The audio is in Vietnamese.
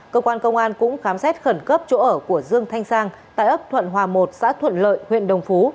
cơ quan công an cũng khám xét khẩn cấp chỗ ở của dương thanh sang tại ấp thuận hòa một xã thuận lợi huyện đồng phú